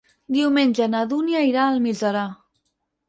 Diumenge na Dúnia irà a Almiserà.